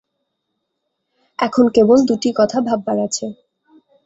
এখন কেবল দুটি কথা ভাববার আছে।